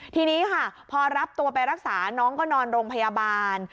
ทีนี้ค่ะพอรับตัวไปรักษาน้องก็นอนโรงพยาบาล